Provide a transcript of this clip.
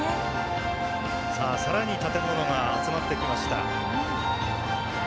さらに建物が集まってきました。